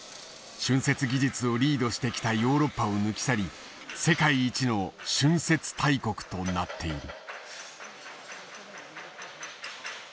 浚渫技術をリードしてきたヨーロッパを抜き去り世界一の浚渫大国となっている。